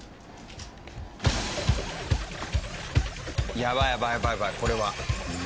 やばいやばいやばいやばいこれは。